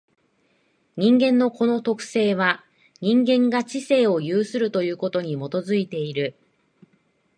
人間のこの特性は、人間が知性を有するということに基いている。